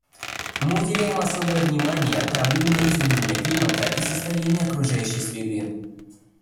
Мы уделяем особое внимание проблеме изменения климата и состояния окружающей среды.